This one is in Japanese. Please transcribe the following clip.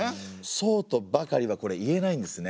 そうとばかりはこれ言えないんですね。